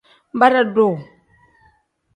Bara-duu.